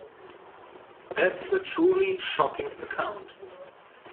That is a truly shocking account.